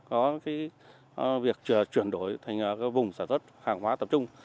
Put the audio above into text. có việc chuyển đổi thành vùng sản xuất hàng hóa tập trung